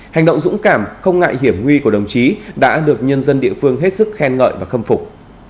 hành động dũng cảm không ngại hiểm nguy của đồng chí đã được nhân dân địa phương hết sức khen ngợi và khâm phục